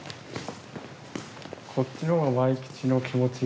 こっちの方がまいきちの気持ち？